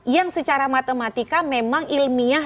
yang secara matematika memang ilmiah